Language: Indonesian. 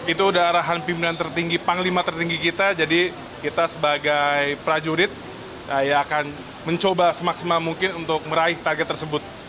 itu udah arahan pimpinan tertinggi panglima tertinggi kita jadi kita sebagai prajurit akan mencoba semaksimal mungkin untuk meraih target tersebut